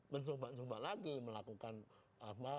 mencoba coba lagi melakukan apa